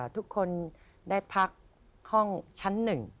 ทุกคนได้พักห้องชั้น๑